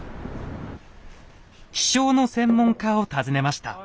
気象の専門家を訪ねました。